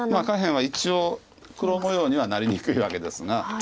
下辺は一応黒模様にはなりにくいわけですが。